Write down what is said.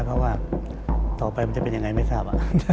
เพราะว่าต่อไปมันจะเป็นยังไงไม่ทราบ